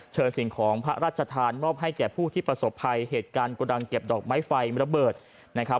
สิ่งของพระราชทานมอบให้แก่ผู้ที่ประสบภัยเหตุการณ์กระดังเก็บดอกไม้ไฟระเบิดนะครับ